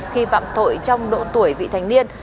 khi vạm tội trong độ tuổi vị thành niên